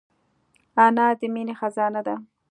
انا د مینې خزانه ده